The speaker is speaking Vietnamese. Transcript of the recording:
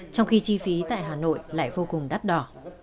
trong khi chi phí tại hà nội lại vô cùng đắt đỏ